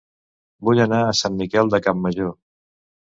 Vull anar a Sant Miquel de Campmajor